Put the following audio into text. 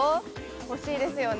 欲しいですよね